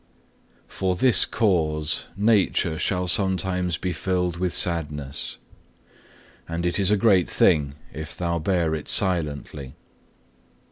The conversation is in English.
5. "For this cause nature shall sometimes be filled with sadness; and it is a great thing if thou bear it silently.